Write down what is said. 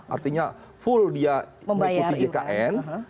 artinya full dia mengikuti jkn